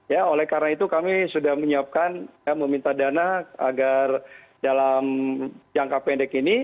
ya oleh karena itu kami sudah menyiapkan meminta dana agar dalam jangka pendek ini